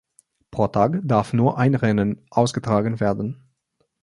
Pro Tag darf nur ein Rennen ausgetragen werden.